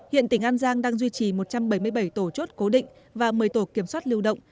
hiện tỉnh an giang đang duy trì một trăm bảy mươi bảy tổ chốt cố định và một mươi tổ kiểm soát lưu động